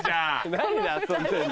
何で遊んでんの？